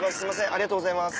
ありがとうございます。